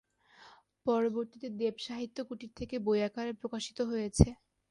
পরবর্তীতে দেব সাহিত্য কুটির থেকে বই আকারে প্রকাশিত হয়েছে।